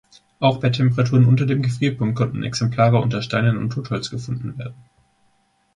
Auch bei Temperaturen unter dem Gefrierpunkt konnten Exemplare unter Steinen und Totholz gefunden werden.